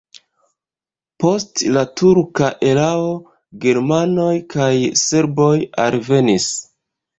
Post la turka erao germanoj kaj serboj alvenis.